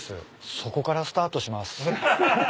そこからスタートします。